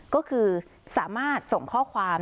ก็คือสามารถส่งข้อความ